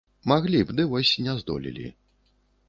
Маглі б, ды вось не здолелі.